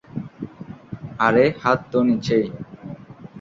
আরে হাত তো নিচেই!